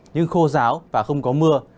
nhưng khô ráo và không có mưa